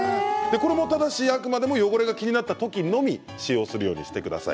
これも、ただしあくまでも汚れが気になった時のみ使用するようにしてください。